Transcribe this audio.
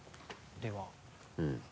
では。